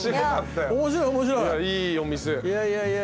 いいお店。